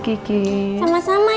kiki tinggal kedokterin ya pak